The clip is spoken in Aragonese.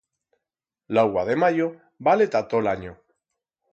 L'augua de mayo vale ta tot l'anyo.